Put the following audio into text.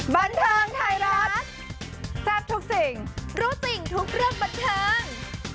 บันเทิงไทยรัฐแซ่บทุกสิ่งรู้สิ่งทุกเรื่องบันเทิง